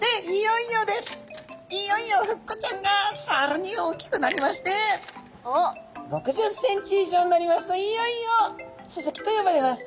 いよいよフッコちゃんがさらに大きくなりまして６０センチ以上になりますといよいよスズキと呼ばれます。